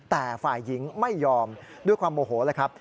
แต่ฝ่ายหญิงไม่ยอมด้วยความโมโหแล้วครับ